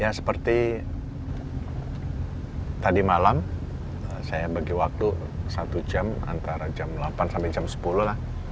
ya seperti tadi malam saya bagi waktu satu jam antara jam delapan sampai jam sepuluh lah